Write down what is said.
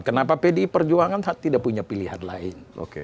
kenapa pdi perjuangan tidak punya pilihan lain